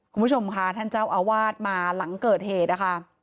คุณผู้ชมค่ะท่านเจ้าอาวาสมาหลังเกิดเหตุนะคะ